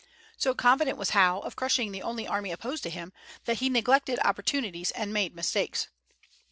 So confident was Howe of crushing the only army opposed to him, that he neglected opportunities and made mistakes.